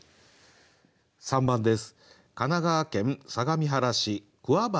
３番です。